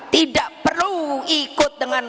tidak perlu ikut dengan